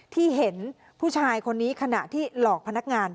ที่เห็นผู้ชายคนนี้ขณะที่หลอกพนักงาน